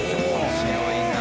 面白いな。